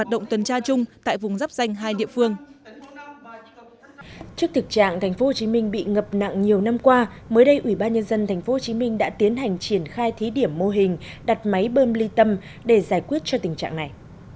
trước thực trạng thành phố hồ chí minh bị ngập nặng nhiều năm qua mới đây ủy ban nhân dân thành phố hồ chí minh đã tiến hành triển khai thí điểm mô hình đặt máy bơm ly tâm để giải quyết cho tình trạng này